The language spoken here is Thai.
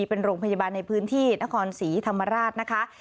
เป็นโรงพยาบาลในพื้นที่นครศรีธรรมราชนะคะ